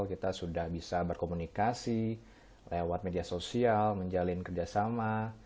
kita sudah bisa berkomunikasi lewat media sosial menjalin kerjasama